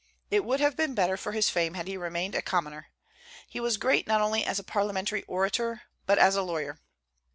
It would have been better for his fame had he remained a commoner. He was great not only as a parliamentary orator, but as a lawyer.